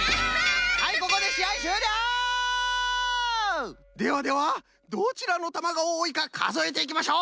ではではどちらのたまがおおいかかぞえていきましょう！